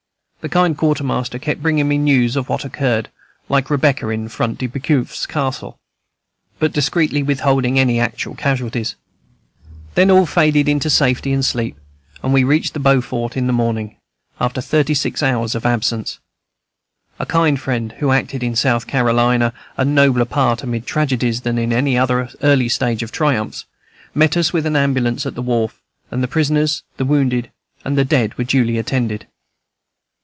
The kind Quartermaster kept bringing me news of what occurred, like Rebecca in Front de Boeuf s castle, but discreetly withholding any actual casualties. Then all faded into safety and sleep; and we reached Beaufort in the morning, after thirty six hours of absence. A kind friend, who acted in South Carolina a nobler part amid tragedies than in any of her early stage triumphs, met us with an ambulance at the wharf, and the prisoners, the wounded, and the dead were duly attended.